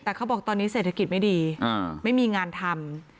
แต่เขาบอกตอนนี้เศรษฐกิจไม่ดีไม่มีงานทำ